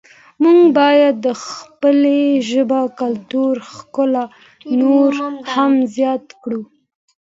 موږ باید د خپلې ژبې کلتوري ښکلا نوره هم زیاته کړو.